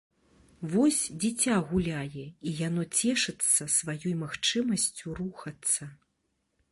Вось, дзіця гуляе, і яно цешыцца сваёй магчымасцю рухацца.